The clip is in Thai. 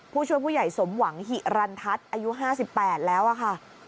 ผู้ช่วยผู้ใหญ่สมหวังหิรันทัศน์อายุ๕๘แล้วค่ะ